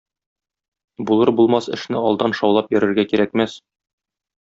Булыр-булмас эшне алдан шаулап йөрергә кирәкмәс.